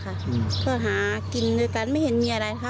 ก็หากินด้วยกันไม่เห็นมีอะไรนะคะ